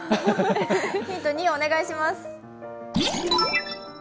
ヒント２、お願いします。